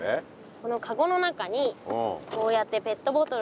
このカゴの中にこうやってペットボトルを入れるでしょ。